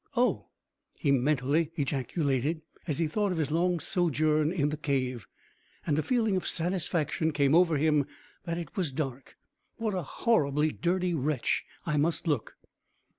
"Oh!" he mentally ejaculated, as he thought of his long sojourn in the cave, and a feeling of satisfaction came over him that it was dark; "what a horribly dirty wretch I must look!"